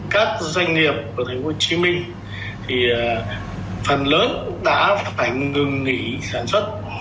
các doanh nghiệp của tp hcm thì phần lớn cũng đã phải ngừng nghỉ sản xuất